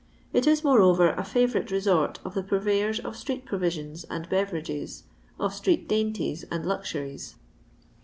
It is, moreover, a favourite resort of the purveyors of street pronsions and beverages, of street dainties and luxuries.